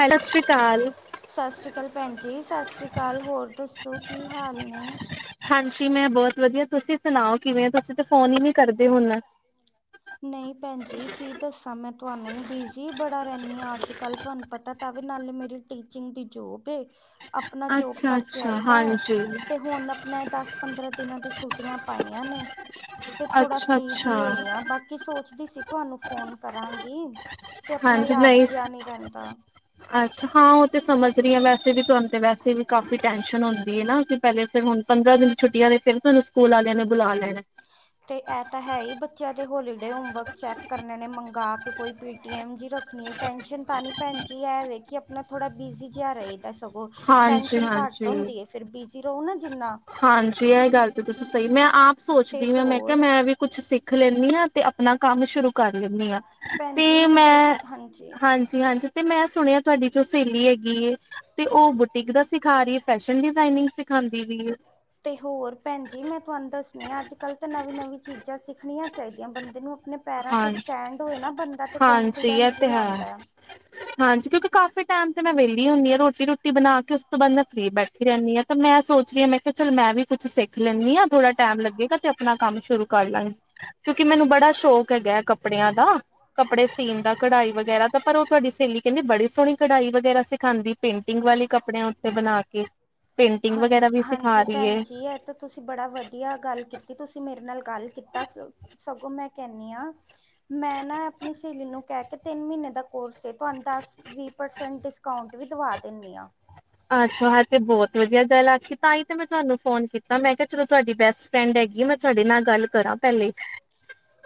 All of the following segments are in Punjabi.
ਹੈਲੋ ਸਤਿ ਸ੍ਰੀ ਅਕਾਲ, ਸਤਿ ਸ੍ਰੀ ਅਕਾਲ ਭੈਣ ਜੀ ਸਤਿ ਸ੍ਰੀ ਅਕਾਲ, ਹੋਰ ਦੱਸੋ ਕੀ ਹਾਲ ਨੇ? ਹਾਂਜੀ ਮੈਂ ਬਹੁਤ ਵਧੀਆ ਤੁਸੀਂ ਸੁਣਾਓ ਕਿਵੇਂ ਔ? ਤੁਸੀਂ ਤਾਂ ਫੋਨ ਹੀ ਨੀ ਕਰਦੇ ਹੁਣ, ਨਹੀਂ ਭੈਣ ਜੀ ਕੀ ਦੱਸਾਂ ਮੈਂ ਤੁਹਾਨੂੰ ਬਿਜ਼ੀ ਬੜਾ ਰਹਿੰਨੀ ਆ ਅੱਜ ਕੱਲ੍ਹ ਤੁਹਾਨੂੰ ਪਤਾ ਤਾਂ ਵੀ ਨਾਲੇ ਮੇਰੇ ਟੀਚਿੰਗ ਦੀ ਜੋਬ ਐ, ਆਪਣਾ ਜੋਬ ਅੱਛਾ ਕਰਕੇ ਅੱਛਾ ਆਈਦਾ ਐ ਹਾਂਜੀ ਤੇ ਹੁਣ ਆਪਣਾ ਦਸ ਪੰਦਰਾਂ ਦਿਨਾਂ ਦੀ ਛੁੱਟੀਆਂ ਪਾਈਆਂ ਨੇ, ਤੇ ਥੋੜਾ ਅੱਛਾ ਫ੍ਰੀ ਅੱਛਾ ਜੀ ਹੋਈ ਆ ਬਾਕੀ ਸੋਚਦੀ ਸੀ ਤੁਹਾਨੂੰ ਫੋਨ ਕਰਾਂਗੀ। ਤੇ ਆਪਣਾ ਹਾਂਜੀ ਯਾਦ ਨਹੀਂ ਜਿਹਾ ਜੀ, ਰਹਿੰਦਾ ਅੱਛਾ ਹਾਂ ਉਹ ਤੇ ਸਮਝ ਰੀ ਐ ਵੈਸੇ ਵੀ ਤੁਹਾਨੂੰ ਤੇ ਵੈਸੇ ਵੀ ਕਾਫ਼ੀ ਟੈਨਸ਼ਨ ਹੁੰਦੀ ਐ ਨਾ ਕਿ ਪਹਿਲੇ ਫੇਰ ਹੁਣ ਪੰਦਰਾਂ ਦਿਨ ਛੁੱਟੀਆਂ ਤੇ ਫਿਰ ਤੁਹਾਨੂੰ ਸਕੂਲ ਆਲਿਆਂ ਨੇ ਬੁਲਾ ਲਿਆ ਨੇ ਤੇ ਇਹ ਤਾਂ ਹੈ ਈ ਬ ਬੱਚਿਆਂ ਦੀ ਹੋਲੀਡੇ ਹੋਮਵਰਕ ਚੈੱਕ ਕਰਨ ਨੇ ਮੰਗਾ ਕੇ ਕੋਈ ਪੇਟੀਐੱਮ ਜੀ ਰੱਖਣੀ ਐ ਟੈਂਨਸ਼ਨ ਤਾਂ ਨੀ ਭੈਣਜੀ ਇਹ ਵੇਖਿਏ ਆਪਣਾ ਥੋੜ੍ਹਾ ਬਿਜ਼ੀ ਜਾ ਰੇ। ਤਾਂ ਸਗੋਂ, ਹਾਂਜੀ ਟੈਂਨਸ਼ਨ ਘੱਟ ਹਾਂਜੀ ਹੁੰਦੀ ਐ ਫਿਰ ਬਿਜ਼ੀ ਰਹੋ ਨਾ ਜਿੰਨਾ ਹਾਂਜੀ ਇਹ ਗੱਲ ਤਾਂ ਤੁਸੀਂ ਸਹੀ ਮੈਂ ਆਪ ਤੇ ਸੋਚਦੀ ਮੈਂ ਮੈਂ ਕਿਹਾ ਹੋਰ ਮੈਂ ਵੀ ਕੁਛ ਸਿੱਖ ਲੈਂਦੀ ਆ। ਤੇ ਆਪਣਾ ਕੰਮ ਸ਼ੁਰੂ ਕਰ ਲੈਂਨੀ ਆ, ਭੈਣ ਜੀ ਤੇ ਦੱਸ ਮੈਂ ਹਾਂਜੀ। ਹਾਂਜੀ-ਹਾਂਜੀ ਤੇ ਮੈਂ ਸੁਣਿਆ ਤੁਹਾਡੀ ਜੋ ਸਹੇਲੀ ਹੈਗੀ ਐ। ਤੇ ਉਹ ਬੁਟੀਕ ਦਾ ਸਿਖਾ ਰੀ ਐ ਫੈਸ਼ਨ ਡਿਜਾਇਨਿੰਗ ਸਿਖਾਦੀ ਵੀ ਤੇ ਹੋਰ ਭੈਣ ਜੀ ਮੈਂ ਤੁਹਾਨੂੰ ਦੱਸਣੀ ਆ ਅੱਜ ਕੱਲ੍ਹ ਤਾਂ ਨਵੀਂ ਨਵੀਂ ਚੀਜ਼ਾਂ ਸਿੱਖਣੀਆਂ ਚਾਹੀਦੀਆਂ ਬੰਦੇ ਨੂੰ ਆਪਣੇ ਪੈਰਾਂ ਤੇ ਹਾਂ ਸਟੈਂਡ ਹੋਏ ਨਾ ਬੰਦਾ ਤੇ ਕਨਫੀਡੈਂਸ ਵੀ ਆਦਾ। ਹੂੰ, ਹਾਂਜੀ ਕਿਉਂਕਿ ਕਾਫ਼ੀ ਟੈਮ ਤੇ ਮੈਂ ਵਿਹਲੀ ਹੁੰਦੀ ਹਾਂ ਰੋਟੀ ਰੋਟੀ ਬਣਾ ਕੇ ਉਸ ਤੋਂ ਬਾਅਦ ਮੈਂ ਫਰੀ ਬੈਠੀ ਰਹਿੰਨੀ ਆ। ਤੇ ਮੈਂ ਸੋਚ ਰੀ ਆ ਮੈਂ ਕਿਹਾ ਚੱਲ ਮੈਂ ਵੀ ਕੁਛ ਸਿੱਖ ਲੈਂਦੀ ਆ ਥੋੜ੍ਹਾ ਟਾਈਮ ਲੱਗੇਗਾ ਤੇ ਆਪਣਾ ਕੰਮ ਸ਼ੁਰੂ ਕਿਉਂਕਿ ਮੈਨੂੰ ਬੜਾ ਸ਼ੌਕ ਹੈਗਾ ਕੱਪੜਿਆਂ ਦਾ ਕੱਪੜੇ ਸੀਨ ਦਾ, ਕਢਾਈ ਵਗੈਰਾ ਤਾਂ ਪਰ ਉਹ ਤੁਹਾਡੀ ਸਹੇਲੀ ਕਹਿੰਦੀ ਬੜੀ ਸੋਹਣੀ ਕਢਾਈ ਵਗੈਰਾ ਸਿਖਾਦੀ, ਪੇਂਟਿੰਗ ਵਾਲੇ ਕੱਪੜਿਆਂ ਉੱਤੇ ਬਣਾ ਕੇ। ਪੇਂਟਿੰਗ ਵਗੈਰਾ ਵੀ ਸਿਖਾ ਹਾਂਜੀ-ਹਾਂਜੀ ਰਹੀ ਭੈਨ ਹੈ ਜੀ ਐ ਤੇ ਤੁਸੀਂ ਬੜਾ ਵਦੀਆ ਗੱਲ ਕੀਤੀ ਤੁਸੀਂ ਮੇਰੇ ਨਾਲ ਗੱਲ ਕੀਤਾ ਸ ਸਗੋਂ ਮੈਂ ਕੈਂਨੀ ਆਂ। ਮੈਂ ਨਾ ਆਪਨੀ ਸੇਲੀ ਨੂੰ ਕੈ ਕੇ ਤਿੰਨ ਮੀਨੇ ਦਾ ਕੋਰਸ ਐ ਤੁਆਨੂੰ ਦੱਸ, ਵੀਹ ਪਰਸੈਂਟ ਡਿਸਕੌਂਟ ਵੀ ਦਵਾ ਦਿੰਨੀ ਆਂ। ਅੱਛਾ ਹਾਂ ਤੇ ਬੋਤ ਵਦੀਆ ਗੱਲ ਆਖੀ ਤਾਂਈ ਤਾਂ ਮੈਂ ਤਾਨੂੰ ਫੋਨ ਕੀਤਾ ਮੈਂ ਕਿਆ ਚਲੋ ਤਾਡੀ ਬੈਸਟ ਫਰੈਂਡ ਹੈਗੀ ਐ ਮੈਂ ਤਾਡੇ ਨਾਲ ਗੱਲ ਕਰਾਂ ਪੈਲੇ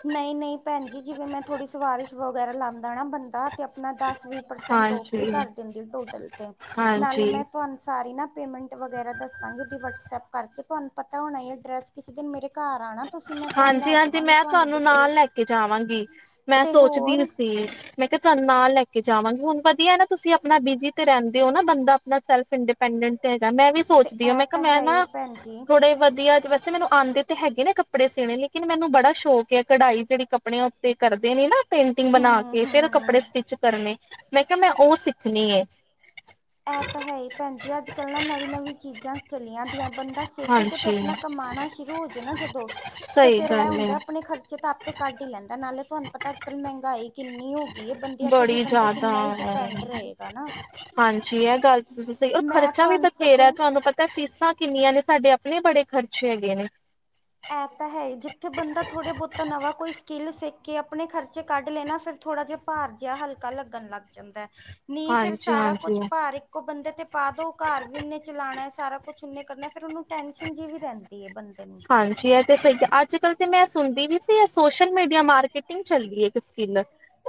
ਨਈ-ਨਈ ਭੈਨ ਜੀ ਜਿਵੇਂ ਮੈਂ ਥੋੜ੍ਹੀ ਸਵਾਰਿਸ਼ ਵਗੈਰਾ ਲਾਂਦਾ ਨਾ ਬੰਦਾ ਤੇ ਆਪਨਾ ਦੱਸ ਵੀਹ ਪਰਸੈਂਟ ਓਫ ਵੀ ਹਾਂਜੀ ਕਰ ਦਿੰਦੀ ਟੋਟਲ ਤੇ ਹਾਂਜੀ, ਨਾਲੇ ਮੈਂ ਤਆਨੂੰ ਸਾਰੀ ਨਾ ਪੇਮੈਂਟ ਵਗੈਰਾ ਦੱਸਾਂਗੀ ਤੇ ਵਟਸਐਪ ਕਰਕੇ ਤਹਾਨੂੰ ਪਤਾ ਹੋਨਾ ਏ ਐਡਰੈਸ। ਕਿਸੀ ਦਿਨ ਮੇਰੇ ਘਰ ਆਨਾ ਤੁਸੀਂ ਮੈਂ ਤੁਹਾਨੂੰ ਹਾਂਜੀ, ਲੈ ਹਾਂਜੀ ਜਾਵਾਂਗੀ। ਮੈਂ ਉਹਦੇ ਤੁਹਾਨੂੰ ਕੋਲ ਨਾਲ ਲੈ ਕੇ ਜਾਵਾਂਗੀ, ਮੈਂ ਤੇ ਸੋਚਦੀ ਓ ਹੋਰ ਸੀ। ਮੈਂ ਕਿਆ ਤੁਆਨੂੰ ਨਾਲ ਲੈ ਕੇ ਜਾਵਾਂਗੀ ਹੁਨ ਵਦੀਐ ਨਾ ਤੁਸੀਂ ਆਪਨਾ ਬਿਜ਼ੀ ਤੇ ਰੈਂਦੇ ਹੋ ਨਾ ਬੰਦਾ ਆਪਣਾ ਸੈਲਫ ਇੰਨਡੀਪੈਨਡੈਂਟ ਹੈਗਾ ਮੈਂ ਵੀ ਤੇ ਸੋਚਦੀ ਆਂ ਇਹ ਮੈਂ ਕਿਆ ਤਾਂ ਮੈਂ ਹੈ ਹੀ ਨਾ ਭੈਣ ਜੀ ਥੋੜੇ ਵਦੀਆ ਚ ਵੈਸੇ ਮੈਨੂੰ ਆਂਦੇ ਤੇ ਹੈਗੇ ਨਾ ਕੱਪੜੇ ਸੀਨੇ ਲੇਕਿਨ ਮੈਨੂੰ ਬੜਾ ਸ਼ੌਕ ਏ ਕਢਾਈ ਜੇੜੀ ਕੱਪੜਿਆਂ ਉੱਤੇ ਕੱਢਦੇ ਨੇ ਨਾ ਪੇਂਟਿੰਗ ਬਨਾ ਹੂੰ ਕੇ ਫੇਰ ਕੱਪੜੇ ਹੂੰ ਸਟਿਚ ਕਰਨੇ, ਮੈਂ ਕਿਆ ਮੈਂ ਓ ਸਿੱਖਨੀ ਐ। ਐ ਤਾਂ ਹੈਈ ਭੈਨ ਜੀ ਅੱਜ-ਕੱਲ ਨਾ ਨਵੀਂ-ਨਵੀਂ ਚੀਜ਼ਾਂ ਚਲੀਆਂ ਦੀਆਂ ਬੰਦਾ ਸਿੱਖ ਕੇ ਤੇ ਹਾਂਜੀ, ਆਪਨਾ ਕਮਾਨਾ ਸ਼ੁਰੂ ਹੋਜੇ ਨਾ ਜਦੋਂ ਤੇ ਸਹੀ ਫੇਰ ਐ ਗੱਲ ਹੈ ਹੁੰਦਾ ਆਪਨੇ ਖਰਚੇ ਤਾਂ ਆਪੇ ਕੱਢ ਈ ਲੈਂਦਾ ਨਾਲੇ ਤਾਨੂੰ ਪਤਾ ਅੱਜ-ਕੱਲ ਮੈਂਗਾਈ ਕਿੰਨੀ ਹੋ ਗਈ ਏ ਬੰਦਿਆਂ ਤੇ ਵੀ ਬੜੀ ਬੰਦਾ ਕਿੰਨਾ ਈ ਜ਼ਿਆਦਾ ਡਿਪੈਂਡ ਰਏਗਾ ਨਾ। ਹਾਂਜੀ ਐ ਗੱਲ ਤੇ ਤੁਸੀਂ ਸਈ ਔਰ ਮੈਂ ਖਰਚਾ ਵੀ ਤੁਹਾਨੂੰ ਬਥੇਰਾ ਸਗੋਂ ਤਾਨੂੰ ਪਤਾ ਤਾਂ ਫੀਸਾਂ ਕਿੰਨੀਆਂ ਨੇ ਸਾਡੇ ਆਪਨੇ ਬੜੇ ਖਰਚੇ ਹੈਗੇ ਨੇ। ਏ ਤਾਂ ਹੈਈ ਜਿੱਥੇ ਬੰਦਾ ਥੋੜ੍ਹਾ ਬੋਤਾ ਨਵਾਂ ਕੋਈ ਸਕਿੱਲ ਸਿੱਖ ਕੇ ਆਪਨੇ ਖਰਚੇ ਕੱਢ ਲਏ ਨਾ ਫੇਰ ਥੋੜਾ ਜਾ ਭਾਰ ਜਿਆ ਹਲਕਾ ਲੱਗਨ ਲੱਗ ਜਾਂਦਾ ਐ। ਨਈ ਫੇਰ ਹਾਂਜੀ ਸਾਰਾ ਹਾਂਜੀ ਕੁਛ ਭਾਰਿਕ ਇੱਕੋ ਬੰਦੇ ਤੇ ਪਾ ਦੋ ਘਰ ਵੀ ਓਨੇ ਚਲਾਨੈ ਸਾਰਾ ਕੁਛ ਓਨੇ ਕਰਨਾ ਫੇਰ ਓਨੂੰ ਟੈਨਸ਼ਨ ਜੀ ਵੀ ਰੈਂਦੀ ਐ ਬੰਦੇ ਨੂੰ। ਹਾਂਜੀ, ਐਹ ਤੇ ਸਈ ਐ ਅੱਜ-ਕੱਲ ਤੇ ਮੈਂ ਸੁਨਦੀ ਵੀ ਸੀ ਏ ਸੋਸ਼ਲ ਮੀਡੀਆ ਮਾਰਕੀਟਿੰਗ ਚੱਲਦੀ ਏ। ਸਕਿੱਲ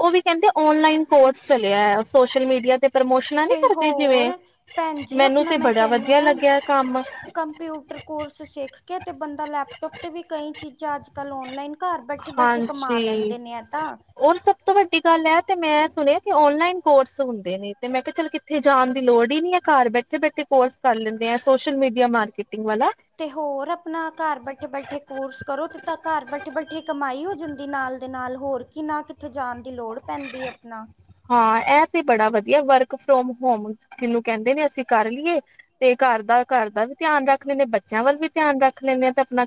ਓ ਵੀ ਕੈਂਦੇ ਓਨਲਾਈਨ ਕੋਰਸ ਚਲੇਆ ਐ ਸੋਸ਼ਲ ਮੀਡੀਆ ਤੇ ਪ੍ਰਮੋਸ਼ਨਾਂ ਨੀ ਕਰਦੇ ਜਿਵੇਂ ਭੈਨ ਜੀ, ਮੈਨੂੰ ਆਪਨਾ ਤੇ ਮੈਂ ਬੜਾ ਕੈਂਨੀ ਵਧੀਆ ਆਂ, ਲੱਗਿਆ ਕੰਮ ਕੰਪਿਊਟਰ ਕੋਰਸ ਸਿੱਖ ਕੇ ਤੇ ਬੰਦਾ ਲੈਪਟੋਪ ਤੇ ਵੀ ਕਈ ਚੀਜ਼ਾਂ ਅੱਜ-ਕੱਲ ਔਨਲਾਈਨ ਘਰ ਬੈਠੇ-ਬੈਠੇ ਕਮਾ ਲੈਂਦੇ ਨੇ ਆਹ ਤਾਂ। ਅੋਰ ਸਭ ਤੋਂ ਵੱਡੀ ਗੱਲ ਐ ਤੇ ਮੈਂ ਸੁਨੇਐ ਔਨਲਾਈਨ ਕੋਰਸ ਹੁੰਦੇ ਨੇ ਤੇ ਮੈਂ ਕਿਆ ਚੱਲ ਕਿੱਥੇ ਜਾਨ ਦੀ ਲੋੜ ਈ ਨੀ ਐ ਘਰ ਬੈਠੇ-ਬੈਠੇ ਕੋਰਸ ਕਰ ਲੈਂਦੇ ਸੋਸ਼ਲ ਮੀਡੀਆ ਮਾਰਕੀਟਿੰਗ ਵਾਲਾ। ਤੇ ਹੋਰ ਆਪਨਾ ਘਰ ਬੈਠੇ-ਬੈਠੇ ਕੋਰਸ ਕਰੋ ਤੇ ਤਾਂ ਘਰ ਬੈਠੇ-ਬੈਠੇ ਕਮਾਈ ਹੋ ਜਾਂਦੀ ਨਾਲ ਦੇ ਨਾਲ ਹੋਰ ਕੀ ਨਾ ਕਿੱਥੇ ਜਾਨ ਦੀ ਲੋੜ ਪੈਂਦੀ ਆਪਨਾ। ਹਾਂ ਐ ਤੇ ਬੜਾ ਵਦੀਆ ਵਰਕ ਫਰੋਮ ਹੋਮ ਕਿਨੂੰ ਕੈਂਦੇ ਨੇ ਅਸੀਂ ਕਰ ਲੀਏ। ਤੇ ਘਰ ਦਾ ਘਰ ਦਾ ਵੀ ਧਿਆਨ ਰੱਖ ਲੈਂਨੇ ਆਂ ਬੱਚਿਆਂ ਵੱਲ ਵੀ ਧਿਆਨ ਰੱਖ ਲੈਂਨੇ ਆ ਤੇ ਆਪਨਾ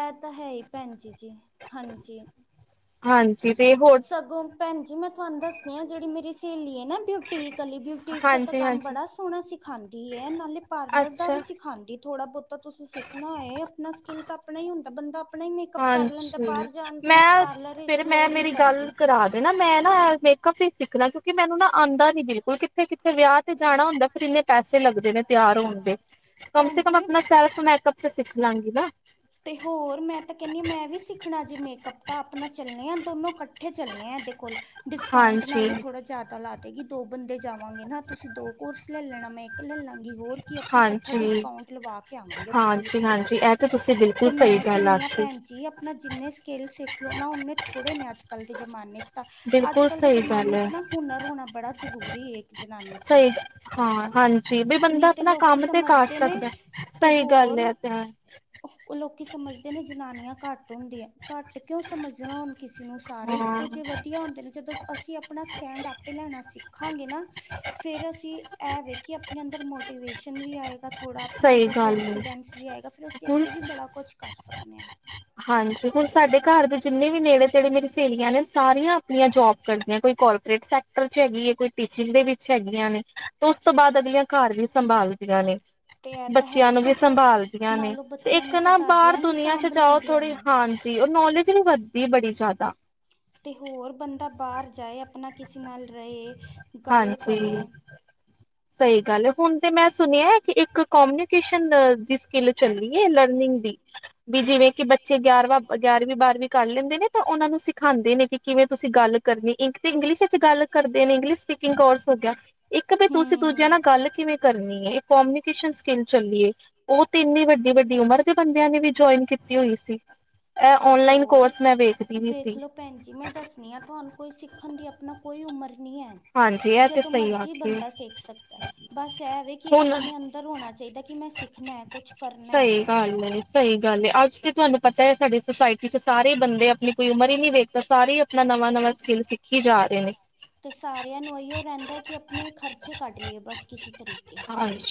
ਐ ਤਾਂ ਹੈਈ ਭੈਨ ਜੀ-ਜੀ ਹਾਂਜੀ। ਹਾਂਜੀ ਤੇ ਹੋਰ ਸਗੋਂ ਭੈਨ ਜੀ ਮੈਂ ਤਆਨੂੰ ਦੱਸਦੀ ਆਂ ਜੇੜੀ ਮੇਰੀ ਸੇਲੀ ਐ ਨਾ ਬਿਊਟੀਕ ਆਲੀ ਬਿਊਟੀਕ ਦਾ ਤਾਂ ਹਾਂਜੀ ਕੰਮ ਹਾਂਜੀ ਬੜਾ ਸੋਨਾ ਸਿਖਾਂਦੀ ਐ ਨਾਲੇ ਪਾਰਲਰ ਦਾ ਅੱਛਾ ਵੀ ਸਿਖਾਂਦੀ ਐ। ਥੋੜਾ ਬੋਤਾ ਤੁਸੀਂ ਸਿੱਖਨਾ ਹੋਈ ਆਪਨਾ ਸਕਿੱਲ ਤਾਂ ਆਪਨਾ ਈ ਹੁੰਦਾ ਬੰਦਾ ਆਪਨਾ ਈ ਮੇਕਅਪ ਕਰ ਲੈਂਦਾ ਹਾਂਜੀ ਬਾਰ ਜਾਨ ਦੀ ਮੈਂ ਪਾਰਲਰ ਵਿੱਚ ਲੋੜ ਨੀ ਪੈਂਦੀ। ਨਾ ਮੈਂ ਨਾ ਮੇਕਅਪ ਈ ਸਿੱਖਨਾ ਕਿਓਂਕਿ ਮੈਨੂੰ ਨਾ ਆਂਦਾ ਨੀ ਬਿਲਕੁਲ ਕਿੱਥੇ-ਕਿੱਥੇ ਵਿਆਅ ਤੇ ਜਾਨਾ ਹੁੰਦਾ ਫਿਰ ਇੰਨੇ ਪੈਸੇ ਲੱਗਦੇ ਨੇ ਤਿਆਰ ਹੋਨ ਦੇ, ਕਮ ਭੈਣ ਸੇ ਕਮ ਜੀ ਆਪਨਾ ਸੈਰ ਮੇਕ ਅਪ ਤੇ ਸਿੱਖ ਲਾਂਗੀ ਨਾ ਤੇ ਹੋਰ ਮੈਂ ਤਾਂ ਕਹਿੰਦੀ ਹਾਂ ਮੈਂ ਵੀਸਿੱਖਣਾ, ਜੇ ਮੇਕਅੱਪ ਤਾਂ ਆਪਣਾ ਚੱਲਣੇ ਹਾਂ, ਦੋਨੋਂ ਇਕੱਠੇ ਚੱਲਣੇ ਆ ਇਹਦੇ ਕੋਲ ਡਿਸਕਾਊਂਟ ਹਾਂਜੀ ਨਾਲ, ਥੋੜਾ ਜਿਆਦਾ ਜੀ ਦੋ ਬੰਦੇ ਜਾਵਾਂਗੇ ਨਾ, ਤੁਸੀਂ ਦੋ ਕੋਰਸ ਲੈ ਲੈਣਾ, ਮੈਂ ਇੱਕ ਲੈ ਲਾਂਗੀ ਹੋਰ ਕਿ ਅਪਨਾ ਇਕੱਠਾ ਹਾਂਜੀ ਡਿਸਕਾਊਂਟ ਲਵਾ ਕੇ ਆਵਾਂਗੇ ਹਾਂਜੀ ਇੱਕੋ ਹਾਂਜੀ ਵਾਰੀ ਇਹ ਤਾਂ ਤੁਸੀਂ ਬਿਲਕੁਲ ਤੇ ਸਹੀ ਮੈਂ ਗੱਲ ਕਿਹਨੀ ਆ, ਆਖੀ ਭੈਣਜੀ ਆਪਣਾ ਜਿੰਨੇ ਸਕੇਲ ਸਿੱਖ ਲਓ ਨਾ, ਉਨੇ ਥੋੜੇ ਨੇ ਅੱਜ- ਕੱਲ ਦੇ ਜਮਾਨੇ ਚ ਬਿਲਕੁਲ ਅੱਜ-ਕੱਲ ਦੇ ਸਹੀ ਗੱਲ ਜਮਾਨੇ ਚ, ਹੈ ਨਾ ਹੁਨਰ ਰੋਣਾ ਬੜਾ ਜਰੂਰੀ ਏ ਸਹੀ ਏ, ਹਾਂ ਹਾਂਜੀ, ਬੰਦਾ ਨਹੀਂ ਤੇ ਆਪਣਾ ਲੋਕੀ ਕੰਮ ਤੇ ਕਰ ਸਮਝਦੇ ਨੇ ਸਕਦਾ ਤੇ ਸਹੀ ਗੱਲ ਹੋਰ ਏ, ਤਿਆਰ ਉਹ ਲੋਕੀ ਸਮਝਦੇ ਨੇ, ਜਨਾਨੀਆਂ ਘੱਟ ਹੁੰਦੀਆਂ ਘੱਟ ਕਿਉਂ ਸਮਝਣਾ ਹੁਣ ਕਿਸੇ ਨੂੰ, ਸਾਰੇ ਹਾਂ ਇਕੋ ਜਿਹੇ ਵਧੀਆ ਹੁੰਦੇ ਨੇ ਜਦੋਂ ਅਸੀਂ ਆਪਣਾ ਸਟੈਂਡ, ਆਪੇ ਲੈਣਾ ਸਿੱਖਾਂਗੇ ਨਾ ਫਿਰ ਅਸੀਂ ਐ ਵੇਖੀਏ, ਆਪਣੇ ਅੰਦਰ ਮੋਟੀਵੇਸ਼ਨ ਵੀ ਆਏ ਤਾਂ ਥੋੜਾ ਆਪਣੇ ਸਹੀ ਅੰਦਰ, ਗੱਲ ਹੈ ਕੋਨਫੀਡੈਂਸ ਵੀ ਆਏਗਾ ਫਿਰ, ਅਸੀਂ ਹੁਣ ਅੱਗੇ ਵੀ ਬੜਾ ਕੁਝ ਕਰ ਸਕਦੇ ਹਾਂਜੀ, ਹੁਣ ਸਾਡੇ ਘਰ ਦੇ ਜਿੰਨੇ ਵੀ ਨੇੜੇ -ਤੇੜੇ ਮੇਰੀ ਸਹੇਰੀਆਂ ਨੇ, ਸਾਰੀਆਂ ਆਪਣੀਆਂ ਜੋਬ ਕਰਦੀਆਂ ਕੋਈ ਸੈਕਟਰ ਚ ਹੈਗੀ ਕੋਈ, ਪੇ ਚਸ ਦੇ ਵਿੱਚ ਹੈਗੀਆਂ ਨੇ ਉਸ ਤੋਂ ਬਾਅਦ, ਅਗਲੀਆਂ ਘਰ ਦੇ ਸੰਭਾਲ ਦੀਆਂ ਨੇ ਤੇ ਇਹ ਤਾਂ ਹੈ ਬੱਚਿਆਂ ਹੀ ਨੂੰ, ਵੀ ਸਗੋਂ ਸੰਭਾਲਦੀਆਂ ਨੇ, ਨਾਲੋਂ ਬੱਚਿਆਂ ਇੱਕ ਨੂੰ ਤਾਂ ਨਾ ਬਾਹਰ ਦਾਦੀਆਂ ਵੀ ਦੁਨੀਆਂ ਚ ਸਾਂਭ ਜਾਓ ਲੈਂਦੀਆਂ ਥੋੜ੍ਹੀ ਨੇ। ਹਾਂਜੀ, ਉਹ ਨੌਲੇਜਿੰਗ ਵੱਧਦੀ ਬੜੀ ਜਿਆਦਾ ਤੇ ਹੋਰ, ਬੰਦਾ ਬਾਹਰ ਜਾਏ, ਆਪਣਾ ਕਿਸੇ ਨਾਲ ਰਹੇ ਗੱਲ ਹਾਂਜੀ ਕਰੇ ਸਹੀ ਗੱਲ ਏ, ਹੁਣ ਤੇ ਮੈਂ ਸੁਣਿਆ, ਇੱਕ ਕੌਮਨੀਕੇਸ਼ਨ ਜਿਸਕੇ ਚੱਲੀਏ, ਲਰਨਿੰਗ ਦੀ, ਵੀ ਜਿਵੇਂ ਕਿ ਬੱਚੇ ਵਿਆਹ ਗਿਆਰਵੀਂ- ਬਾਰਵੀਂ ਕਰ ਲੈਂਦੇ ਨੇ, ਪਰ ਉਹਨਾਂ ਨੂੰ ਸਿਖਾਉਂਦੇ ਨੇ ਕਿ, ਕਿਵੇਂ ਤੁਸੀਂ ਗੱਲ ਇੱਕ ਤੇ ਇੰਗਲਿਸ਼ ਗੱਲ ਕਰਦੇ ਨੇ, ਇੰਗਲਿਸ਼ ਸਪੀਕਿੰਗ ਕੋਰਸ ਹੋ ਗਿਆ, ਇੱਕ ਤੇ ਤੁਸੀਂ ਦੁਜਿਆਂ ਹੂੰ ਨਾਲ ਗੱਲ ਕਿਵੇਂ ਕਰਨੀ ਏ, ਇਕੋਨਮੀਕੇਸ਼ਨ ਸਕਿਲ ਚੱਲੀਏ ਓ ਤੇ ਏਨੇ -ਏਨੇ ਵੱਡੀ -ਵੱਡੀ ਉਮਰ ਦੇ ਬੰਦਿਆਂ ਨੇ, ਵੀ ਜੁਆਇਨ ਕੀਤੀ ਹੋਈ ਸੀਂ। ਤੇ ਹੋਰ, ਵੇਖ ਸੀ ਲਓ ਭੈਣਜੀ, ਮੈਂ ਦੱਸ ਨਈ ਤੁਹਾਨੂੰ, ਕੋਈ ਸਿੱਖਣ ਦੀ ਆਪਣਾ ਕੋਈ, ਉਮਰ ਨਹੀਂ ਹੈ ਹਾਂਜੀ ਇਹ ਤੇ ਜਦੋਂ ਸਹੀ ਮਰਜ਼ੀ, ਆਖੀ ਬੰਦਾ ਸਿਖ ਸਕਦਾ ਬਸ ਇਹ ਵੇ ਕਿ, ਹੁਣ ਆਪਣੇ ਅੰਦਰ ਹੋਣਾ ਚਾਹੀਦਾ ਕਿ, ਮੈਂ ਸਿੱਖਣਾ ਕੁਝ ਸਹੀ ਗ ਸਹੀ ਗੱਲ ਹ ਅੱਜ ਤੇ, ਤੁਹਾਨੂੰ ਪਤਾ ਸਾਡੇ ਸੋਸਾਇਟੀ ਚ ਸਾਰੇ ਬੰਦੇ, ਆਪਣੀ ਕੋਈ ਉਮਰ ਹੀ ਨਹੀਂ ਵੇਖਦੇ ਸਾਰੇ ਆਪਣਾ, ਨਵਾਂ -ਨਵਾਂ ਸਕੇਲ ਸਿੱਖੀ ਜਾ ਰਹੇ ਨੇ ਤੇ ਸਾਰਿਆਂ ਨੂੰ ਏਹੀਓ ਰਹਿੰਦਾ ਕਿ, ਆਪਣੇ ਖਰਚੇ ਕੱਢ ਲਈਏ, ਬਸ ਕਿਸੀ ਤਰੀਕੇ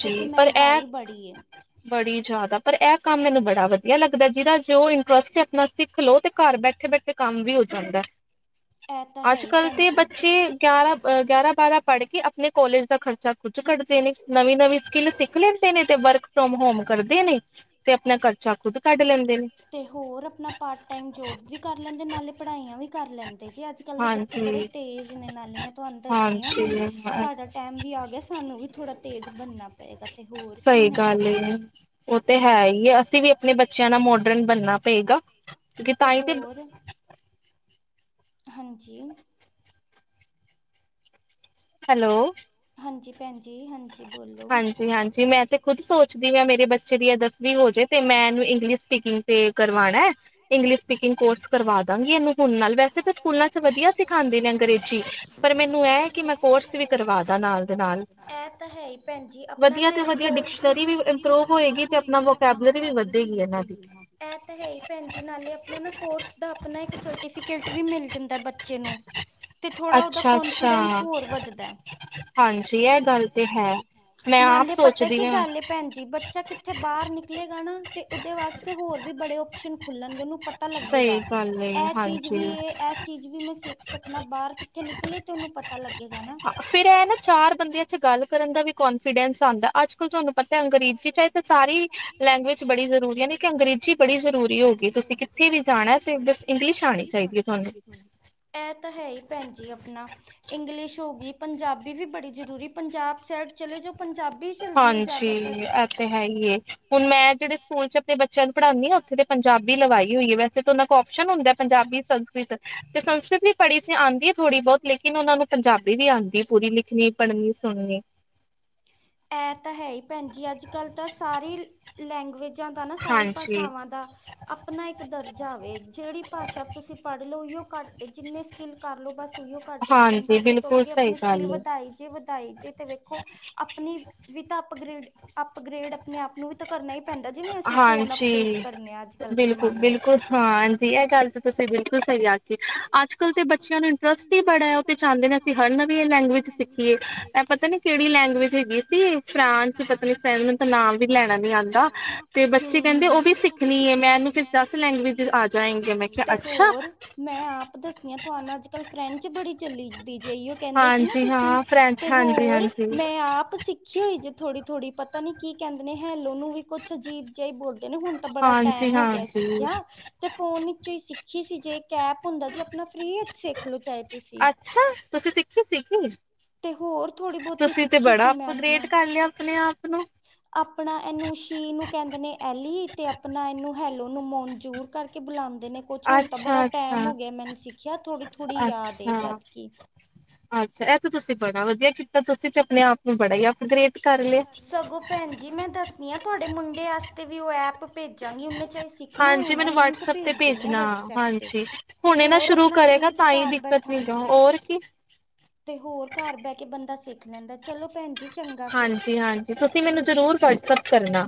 ਕਿਉਂਕਿ, ਪਰ ਇਹ ਮਹਿੰਗਾਈ ਬੜੀ ਏ, ਬੜੀ ਜਿਆਦਾ ਪਰ ਇਹ ਕੰਮ ਮੈਨੂੰ ਬੜਾ ਵਧੀਆ ਲੱਗਦਾ, ਜਿਹਦਾ ਜੇ ਉਹ ਇੰਟਰਸਟ ਹੈ ਸਿੱਖ ਲਓ ਤੇ ਘਰ ਬੈਠੇ -ਬੈਠੇ ਕੰਮ ਵੀ ਹੋ ਸਕਦਾ, ਇਹ ਤਾਂ ਹੈ ਹੀ ਅੱਜ-ਕੱਲ ਭੈਣ ਤੇ ਜੀ ਬੱਚੇ ਗਿਆਰਾ -ਬਾਰਾਂ ਪੜ ਕੇ, ਆਪਣੇ ਕਾਲਜ ਦਾ ਖਰਚਾ ਨਵੀਂ- ਨਵੀਂ ਸਕੀਲ ਸਿੱਖ ਲੈਂਦੇ ਨੇ ਤੇ, ਵਰਕ ਫਰੋਮ ਹੋਮ ਕਰਦੇ ਨੇ ਤੇ ਆਪਣਾ ਖਰਚਾ ਖੁਦ ਕੱਢ ਲੈਂਦੇ ਨੇ, ਤੇ ਹੋਰ, ਆਪਣਾ ਪਾਰਟ ਟਾਈਮ ਜੋਬ ਵੀ, ਕਰ ਲੈਂਦੇ ਨਾਲੇ ਪੜ੍ਹਾਈਆਂ ਵੀ ਕਰ ਲੈਂਦੇ ਜੇ, ਅੱਜ -ਕੱਲ ਦੇ ਬੱਚੇ ਬੜੇ ਤੇਜ਼ ਨੇ ਨਾ ਹਲੇ ਮੈਂ ਤੁਹਾਨੂੰ ਦੱਸਣੀ ਆ, ਹੁਣ ਹਾਂਜੀ-ਹਾਂਜੀ। ਸਾਡਾ ਟਾਈਮ ਵੀ ਆ ਗਿਆ ਸਾਨੂੰ ਥੋੜਾ, ਤੇਜ਼ ਬਣਨਾ ਪਏਗਾ ਤੇ ਹੋਰ ਕੀ ਨਹੀਂ ਹ [inaudible] ਉ ਤੇ ਹੀ ਏ, ਅਸੀਂ ਵੀ ਆਪਣੇ ਬੱਚਿਆਂ ਨਾਲ ਮੋਡਰਨ ਬਣਨਾ ਪਏਗਾ, ਕਿ ਤੇ ਤਾਂ ਹੀ ਦੇਣਾ ਹੋਰ ਹਾਂਜੀ ਹੈਲੋ ਹਾਂਜੀ ਭੈਣ ਜੀ ਹਾਂਜੀ ਬੋਲੋ ਜੀ ਹਾਂਜੀ ਮੈਂ ਇਥੇ ਖੁਦ ਸੋਚਦੀ ਮੈਂ ਮੇਰੇ ਬੱਚੇ ਦੀ ਦੱਸਵੀਂ ਹੋ ਜੇ ਤੇ ਮੈਂ ਇਹਨੂੰ ਇੰਗਲਿਸ਼ ਸਪੀਕਿੰਗ ਤੇ ਕਰਵਾਣਾ। ਇੰਗਲਿਸ਼ ਸਪੀਕਿੰਗ ਕੋਰਸ ਕਰਵਾ ਦਾਂਗੀ ਇਹਨੂੰ ਨਾਲ ਵੈਸੇ ਤਾਂ ਸਕੂਲਾਂ 'ਚ ਵਧੀਆ ਸਿਖਾਂਦੇ ਨੇ ਅੰਗਰੇਜੀ ਪਰ ਮੈਨੂੰ ਇਹ ਹ ਕਿ ਮੈਂ ਕੋਰਸ ਵੀ ਕਰਵਾ ਦਾ ਨਾਲ ਦੇ ਨਾਲ ਇਹ ਤਾ ਹੈ ਈ। ਭੈਣਜੀ ਆਪਣਾ ਵਧੀਆ ਨਾ ਤੇ ਵਧੀਆ ਕੋਰਸ ਡਿਕਸ਼ਨਰੀ ਵੀ ਇੰਪਰੂਵ ਇਪਰੂਵ ਹੋਏਗੀ ਤੇ ਆਪਣਾ ਵੋਕੈਬਲਰੀ ਵੀ ਇਹਨਾਂ ਦੀ ਵਧੇਗੀ ਨਾ। ਐ ਤਾ ਹੈ ਹੀ ਭੈ ਭੈਣ ਜੀ ਨਾਲੇ ਆਪਣਾ ਨਾ ਕੋਰਸ ਦਾ ਆਪਣਾ ਇੱਕ ਸਰਟੀਫਿਕੇਟ ਵੀ ਮਿਲ ਜਾਂਦਾ ਬੱਚੇ ਨੂੰ ਤੇ ਥੋੜ੍ਹਾ ਉਹਦਾ ਅੱਛਾ ਕੋਨਫੀਡੈਂਸ ਅੱਛਾ ਹੋਰ ਵੱਧਦਾ ਹਾਂਜੀ ਇਹ ਗੱਲ ਤੇ ਹੈ ਮੈਂ ਆਪ ਨਾਲੇ ਪਤਾ ਕੀ ਸੋਚਦੀ ਹਾਂ ਗੱਲ ਭੈਣ ਜੀ ਬੱਚਾ ਕਿੱਥੇ ਬਾਰ ਨਿਕਲੇਗਾ ਨਾ ਅਤੇ ਉਹਦੇ ਵਾਸਤੇ ਤੇ ਹੋਰ ਵੀ ਬੜੇ ਓਪਸ਼ਨ ਖੁੱਲਣਗੇ ਉਹਨੂੰ ਪਤਾ ਸਹੀ ਲੱਗੇਗਾ। ਗੱਲ ਏ ਇਹ ਚੀਜ਼ ਹਾਂਜੀ ਵੀ ਇਹ ਚੀਜ਼ ਵੀ ਮੈਂ ਸਿੱਖ ਸਕਣਾ ਬਾਰ ਕਿੱਥੇ ਨਿਕਲੇ ਤੇ ਉਹਨੂੰ ਪਤਾ ਲੱਗੇਗਾ ਨਾ। ਫਿਰ ਇਹ ਨਾ ਚਾਰ ਬੰਦਿਆਂ 'ਚ ਗੱਲ ਕਰਨ ਦਾ ਵੀ ਕੋਂਨਫੀਡੈਂਸ ਆਂਦਾ ਅੱਜ ਬਿਲਕੁਲ ਤੁਹਾਨੂੰ ਪਤਾ ਹੈ ਅੰਗਰੇਜ਼ੀ ਚਾਹੇ ਤਾਂ ਸਾਰੀ ਲੈਂਗੁਏਜ ਬੜੀ ਜ਼ਰੂਰੀ ਹੈ ਨਈ ਕਿ ਅੰਗਰੇਜ਼ ਬੜੀ ਜ਼ਰੂਰੀ ਹੋ ਗਈ ਤੁਸੀਂ ਜਿਥੇ ਵੀ ਜਾਣਾ ਬਸ ਇੰਗਲਿਸ਼ ਆਣੀ ਚਾਹੀਦੀ ਹੈ ਤੁਹਾਨੂੰ ਇਹ ਤਾਂ ਹੈ ਹੀ ਭੈਣ ਜੀ ਆਪਣਾ ਇੰਗਲਿਸ਼ ਹੋ ਗਈ ਪੰਜਾਬੀ ਵੀ ਬੜੀ ਜ਼ਰੂਰੀ ਪੰਜਾਬ ਸਾਈਡ ਚਲੇ ਜੋ ਪੰਜਾਬੀ ਚੱਲਦੀ ਹੈ ਹਾਂਜੀ ਜਾਦਾਤਰ ਇਹ ਤੇ ਹੈ ਹੀ ਏ ਹੁਣ ਮੈਂ ਜੇੜੇ ਸਕੂਲ 'ਚ ਆਪਣੇ ਬੱਚੇ ਬੱਚਿਆਂ ਨੂੰ ਪੜ੍ਹਾਂਦੀ ਹਾਂ ਉੱਥੇ ਤੇ ਪੰਜਾਬੀ ਲਵਾਈ ਹੋਈ ਹੈ ਵੈਸੇ ਤਾਂ ਉਹਨਾ ਕੋ ਉਪਸ਼ਨ ਹੁੰਦਾ ਪੰਜਾਬੀ ਸੰਸਕ੍ਰਿਤ ਤੇ ਸੰਸਕ੍ਰਿਤ ਵੀ ਪੜ੍ਹੀ ਸੀ ਆਂਦੀ ਹੈ ਥੋੜ੍ਹੀ ਬਹੁਤ ਲੇਕਿਨ ਓ ਨੂੰ ਪੰਜਾਬੀ ਵੀ ਆਂਦੀ ਹੈ ਪੂਰੀ ਲਿਖਣੀ ਪੜਨੀ ਸੁਣਣੀ ਇਹ ਤਾਂ ਹੈ ਹੀ ਭੈਣ ਜੀ ਅੱਜ ਕੱਲ ਤਾਂ ਸਾਰੇ ਲੈਂਗੁਏਜਾਂ ਦਾ ਨਾ ਸਾਰੀ ਹਾਂਜੀ ਭਾਸ਼ਾਵਾਂ ਦਾ ਆਪਣਾ ਇੱਕ ਦਰਜਾ ਵੇ ਜੇੜੀ ਭਾਸ਼ਾ ਤੁਸੀ ਪੜ੍ਹ ਲਓ ਉਹੀਓ ਘੱਟ ਏ ਜਿੰਨੇ ਸਕਿੱਲ ਕਰ ਲੋ ਬਸ ਉਹੀਓ ਘੱਟ ਨੇ ਬੰਦਾ ਹਾਂਜੀ ਅੱਗੇ ਤੋਂ ਬਿਲਕੁਲ ਅੱਗੇ ਸਹੀ ਆਪਣੀ ਸਕਿੱਲ ਗੱਲ ਏ ਵਧਾਈ ਜੇ ਜੇ ਤੇ ਵੇਖੋ ਆਪਣੀ ਵੀ ਤਾਂ ਅਪਗ੍ਰਡ ਅਪਗ੍ਰੇਡ ਆਪਣੇ ਆਪ ਨੂੰ ਵੀ ਤਾਂ ਕਰਨਾ ਹੀ ਪੈਂਦਾ ਜਿਵੇਂ ਅਸੀਂ ਫੋਨ ਅਪਡੇਟ ਜੀ ਕਰਨੇ ਆ ਅੱਜ ਕੱਲ ਦੇ ਜ਼ਮਾਨੇ 'ਚ ਬਿਲਕੁਲ-ਬਿਲਕੁਲ ਹਾਂਜੀ ਇਹ ਗੱਲ ਤਾਂ ਤੁਸੀਂ ਬਿਲਕੁਲ ਸਈ ਆ ਅੱਜ ਕੱਲ ਤੇ ਬੱਚਿਆਂ ਨੂੰ ਇੰਟਰਸਟ ਹੀ ਬੜਾ ਹੈ ਉਹ ਤੇ ਚਾਹੁੰਦੇ ਨੇ ਅਸੀਂ ਹਰ ਨਵੀਂ ਇਹ ਲੈਂਗੁਏਜ ਸਿੱਖੀਏ ਇਹ ਪਤਾ ਨੀ ਕੇੜੀ ਲੈਂਗੁਏਜ ਹੈਗੀ ਸੀ ਫਰਾਂਸ 'ਚ ਪਤਾ ਨੀ ਫ ਦਾ ਨਾਮ ਵੀ ਲੈਣਾ ਨੀ ਆਂਦਾ ਤੇ ਬੱਚੇ ਕੈਂਦੇ ਓ ਵੀ ਸਿੱਖਣੀ ਹੈ ਮੈਂ ਇਹਨੂੰ ਫ ਦਸ ਲੈਂਗੁਏਜ ਆ ਜਾਏਗੀ ਮੈਂ ਕਿਆ ਤੇ ਅੱਛਾ ਹੋਰ ਮੈਂ ਆਪ ਦੱਸਨੀ ਤੁਹਾਨੂੰ ਅੱਜ ਕੱਲ੍ਹ ਫਰੈਂਚ ਬੜੀ ਚੱਲ ਦੀ ਇਹੀਉ ਕੈਂਦੇ ਸੀ ਨਾ ਹਾਂਜੀ ਤੁਸੀਂ ਹਾਂ ਫਰੈਂਚ ਤੇ ਹਾਂਜੀ ਹੋਰ ਹਾਂਜੀ ਮੈਂ ਆਪ ਸਿੱਖ ਦੇਖੀ ਹੋਈ ਜੇ ਥੋੜੀ-ਥੋੜ੍ਹੀ ਪਤਾ ਨਈ ਕੀ ਕੈਂਦੇ ਨੇ ਹੈਲੋੋ ਨੂੰ ਵੀ ਕੁਛ ਅਜੀਬ ਜਿਹਾ ਬੋਲਦੇ ਨੇ ਹੁਣ ਤਾਂ ਬੜਾ ਹਾਂਜੀ ਟੈਮ ਹੋ ਗਿਆ ਹਾਂਜੀ ਸਿੱਖਿਆ ਤੇ ਫੋਨ 'ਚ ਹੀ ਸਿੱਖੀ ਸੀ ਜੇ ਇੱਕ ਐਪ ਹੁੰਦਾ ਜੇ ਆਪਣਾ ਫਰੀ ਵਿੱਚ ਸਿੱਖਲੋ ਚਾਹੇ ਤੁਸੀਂ ਅੱਛਾ ਤੁਸੀਂ ਸਿੱਖ [inaudible] ਤੇ ਹੋਰ ਥੋੜ੍ਹੀ ਬੋਤੀ ਸਿੱਖੀ ਸੀ ਮੈਂ ਅਪਗ੍ਰੇਡ ਆਪਣਾ ਕਰ ਲਿਆ ਆਪਣੇ ਆਪ ਨੂੰ ਆਪਣਾ ਇਹਨੂੰ ਸ਼ੀ ਨੂੰ ਕੈਂਦੇ ਨੇ ਐਲੀ ਤੇ ਆਪਣਾ ਇਹਨੂੰ ਹੈਲੋ ਨੂੰ ਮਨਜ਼ੂਰ ਕਰਕੇ ਬੁਲਾ ਦੇ ਨੇ ਕੁਛ ਹੁਣ ਤਾਂ ਬੜਾ ਅੱਛਾ ਟੈਮ ਅੱਛਾ ਹੋ ਗਿਆ ਮੈਨੂੰ ਸਿੱਖਿਆ ਥੋੜੀ-ਥੋੜ੍ਹੀ ਯਾਦ ਏ ਅੱਛਾ ਜਦ ਕੀ ਅੱਛਾ ਇਹ ਤਾਂ ਤੁਸੀਂ ਬੜਾ ਵਧੀਆ ਕੀਤਾ ਤੁਸੀਂ ਤੇ ਆਪਣੇ ਆਪ ਨੂੰ ਬੜਾ ਹੀ ਅਪਗ੍ਰੇਡ ਕਰ ਲਿਆ। ਸਗੋਂ ਭੈਣ ਜੀ ਮੈਂ ਦੱਸਣੀ ਆਂ ਤੁਆਡੇ ਮੁੰਡੇ ਆਸਤੇ ਵੀ ਉਹ ਐਪ ਭੇਜਾਂਗੀ ਉਹਨਾਂ ਚਾ ਹਾਂਜੀ ਮੈਨੂੰ ਵਟਸਅਪ ਤੇ ਭੇਜਣਾ ਤੇ ਹਾਂਜੀ ਤੇ ਹੁਣੇ ਨਾ ਹੋਰ ਸ਼ੁਰੂ ਆਪਣਾ ਕਰੇਗਾ ਫ੍ਰੀ ਚ ਤਾਂ ਈ ਘਰ ਦਿੱਕਤ ਬੈਠਾ ਠੀਕ ਔਂ, ਔਰ ਕੀ? ਤੇ ਹੋਰ ਘਰ ਬਹਿ ਕੇ ਬੰਦਾ ਸਿੱਖ ਲੈਂਦਾ ਚਲੋ ਭੈਣ ਜੀ ਚੰਗਾ ਫਿਰ। ਹਾਂਜੀ-ਹਾਂਜੀ ਤੁਸੀਂ ਮੈਨੂੰ ਜ਼ਰੂਰ ਵਟਸਅੱਪ ਕਰਨਾ।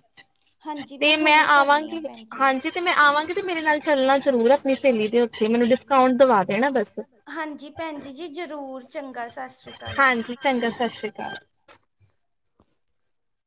ਹਾਂਜੀ ਤੇ ਮੈਂ ਹੁਣੇ ਕਰਨੀ ਆ ਆਵਾਂਗੀ, ਭੈਣ ਜੀ। ਹਾਂਜੀ ਤੇ ਮੈਂ ਆਵਾਂਗੀ ਤੇ ਮੇਰੇ ਨਾਲ ਚੱਲਣਾ ਜ਼ਰੂਰ ਆਪਣੀ ਸਹੇਲੀ ਦੇ ਉੱਥੇ ਮੈਨੂੰ ਕਾਊਂਂਟ ਦਵਾ ਦੇਣਾ ਬੱਸ। ਹਾਂਜੀ ਭੈਣਜੀ ਜੀ ਜ਼ਰੂਰ ਚੰਗਾ ਸਤਿ ਸ੍ਰੀ ਅਕਾਲ। ਹਾਂਜੀ, ਚੰਗਾ ਸਤਿ ਸ੍ਰੀ ਅਕਾਲ।